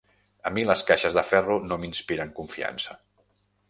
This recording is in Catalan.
A mi les caixes de ferro no m'inspiren confiança.